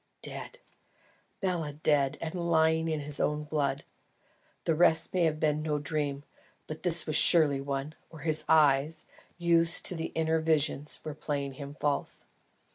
Dead! BELA! Dead! and lying in his blood! The rest may have been no dream, but this was surely one, or his eyes, used to inner visions, were playing him false.